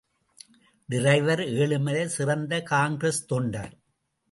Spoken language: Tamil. டிரைவர் ஏழுமலை சிறந்த காங்கிரஸ் தொண்டர்.